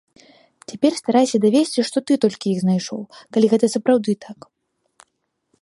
Цяпер старайся давесці, што ты толькі іх знайшоў, калі гэта сапраўды так.